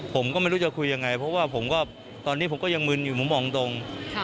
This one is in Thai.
ผมก็ไม่รู้จะคุยยังไงเพราะว่าผมก็ตอนนี้ผมก็ยังมึนอยู่ผมมองตรง